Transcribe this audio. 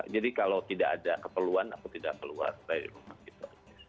jadi kalau tidak ada keperluan aku tidak keluar dari rumah